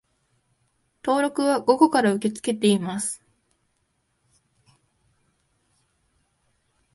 登録は午後から受け付けています